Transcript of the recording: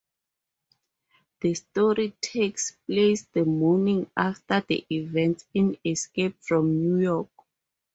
The story takes place the morning after the events in "Escape from New York".